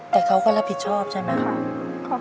แต่เค้าก็รับผิดชอบใช่มั้ยค่ะ